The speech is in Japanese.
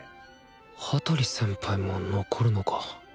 羽鳥先輩も残るのか。